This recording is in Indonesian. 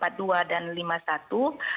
memberikan ruang kepada masyarakat